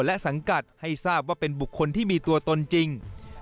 และสังกัดให้ทราบว่าเป็นบุคคลที่มีตัวตนจริง